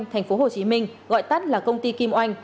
hồ chí minh gọi tắt là công ty kim oanh